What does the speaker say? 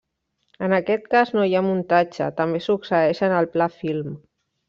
En aquest cas no hi ha muntatge, també succeeix en el pla film.